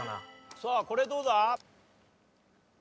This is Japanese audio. さあこれどうだ？